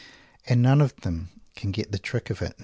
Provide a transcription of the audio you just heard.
And none of them can get the trick of it.